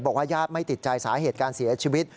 ญาติไม่ติดใจสาเหตุการเสียชีวิต